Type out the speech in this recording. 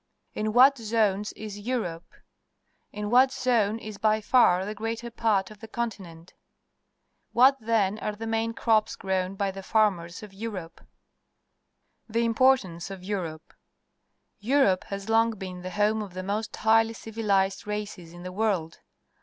In what zones is Europe? In what zone is by far the greater part of the continent? ^\'hat, then, are the main crops grown by the farmers of Europe ? The Importance of Europe. — Europe has long been the home of the most highly civilized races in the world.